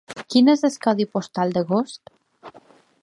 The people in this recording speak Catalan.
Quin és el codi postal d'Agost?